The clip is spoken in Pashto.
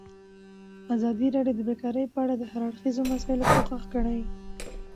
ازادي راډیو د بیکاري په اړه د هر اړخیزو مسایلو پوښښ کړی.